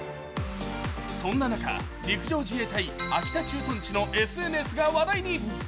そんな中、陸上自衛隊秋田駐屯地のＳＮＳが話題に。